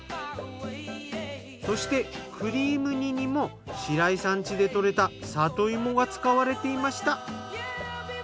そしてクリーム煮にも白井さん家で採れた里芋が使われていました。